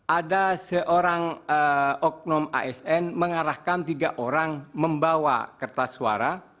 ada seorang oknum asn mengarahkan tiga orang membawa kertas suara